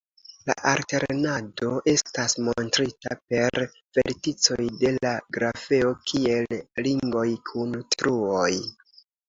La alternado estas montrita per verticoj de la grafeo kiel ringoj kun truoj.